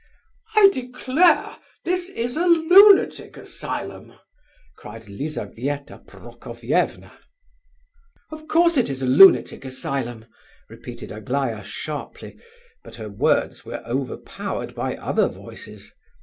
"I declare, this is a lunatic asylum!" cried Lizabetha Prokofievna. "Of course it is a lunatic asylum!" repeated Aglaya sharply, but her words were overpowered by other voices.